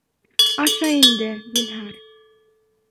Аша инде, зинһар.